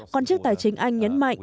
quan chức tài chính anh nhấn mạnh